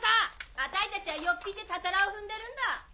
あたいたちは夜っぴいてタタラを踏んでるんだ！